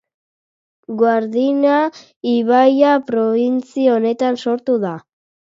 Guadiana ibaia probintzia honetan sortzen da.